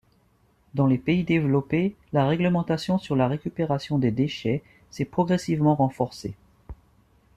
Dans les pays développés, la réglementation sur la récupération des déchets s'est progressivement renforcée.